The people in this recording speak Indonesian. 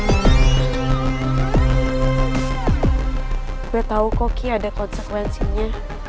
gue tau kok ki ada konsekuensinya